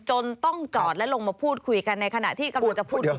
จนต้องจอดและลงมาพูดคุยกันในขณะที่กำลังจะพูดคุย